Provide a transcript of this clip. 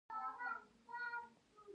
ونې د باد مخه نیسي.